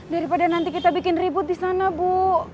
daripada nanti kita bikin ribut di sana bu